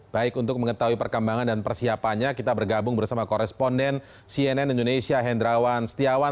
baik untuk mengetahui perkembangan dan persiapannya kita bergabung bersama koresponden cnn indonesia hendrawan setiawan